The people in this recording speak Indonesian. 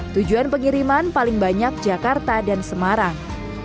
tujuan pengiriman paling banyak jakarta dan semarang